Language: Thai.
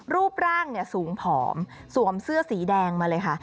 รูปร่างสูงผอมสวมเสื้อสีแดงมาเลยค่ะ